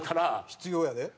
必要やで。